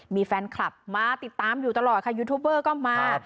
มีแฟนคลับมาติดตามอยู่ตลอดค่ะยูทูบเบอร์ก็มา